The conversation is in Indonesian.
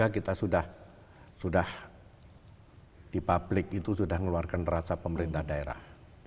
dua ribu tiga kita sudah di publik itu sudah mengeluarkan raksa pemerintah daerah